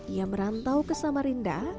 ia merantau ke samarinda